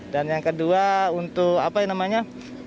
dan yang kedua untuk apa yang namanya